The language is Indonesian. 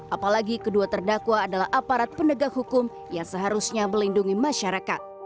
apalagi kedua terdakwa adalah aparat pendegak hukum yang seharusnya melindungi masyarakat